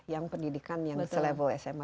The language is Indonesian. yang pendidikan yang selevel sma